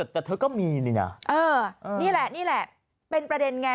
แต่เธอก็มีนี่นะนี่แหละนี่แหละเป็นประเด็นไง